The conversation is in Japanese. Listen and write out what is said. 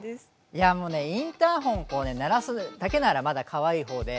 いやもうねインターホンを鳴らすだけならまだかわいいほうで。